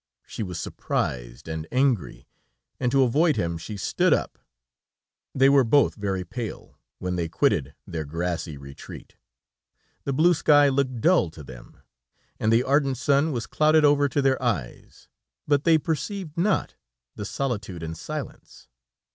She was surprised and angry, and, to avoid him, she stood up. They were both very pale, when they quitted their grassy retreat. The blue sky looked dull to them, and the ardent sun was clouded over to their eyes, but they perceived not the solitude and silence.